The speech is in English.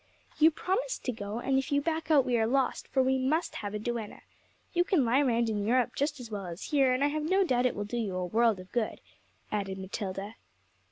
'You promised to go, and if you back out we are lost, for we must have a duenna. You can lie round in Europe just as well as here, and I have no doubt it will do you a world of good,' added Matilda.